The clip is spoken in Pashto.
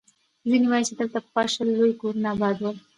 ځيني وایي، چې دلته پخوا شل لوی کورونه اباد ول.